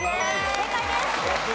正解です！